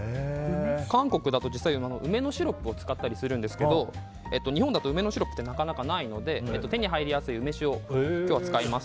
韓国だと梅のシロップを使ったりするんですけど日本だと梅のシロップってなかなかないので手に入りやすい梅酒を今日は使います。